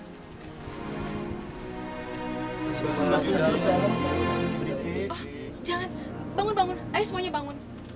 wah jangan bangun bangun ayo semuanya bangun